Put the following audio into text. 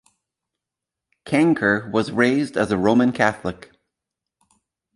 Cankar was raised as a Roman Catholic.